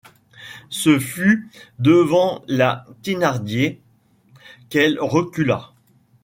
Ce fut devant la Thénardier qu’elle recula.